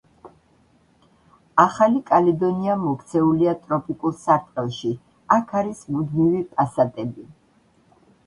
ახალი კალედონია მოქცეულია ტროპიკულ სარტყელში, აქ არის მუდმივი პასატები.